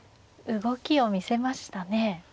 動きを見せましたね。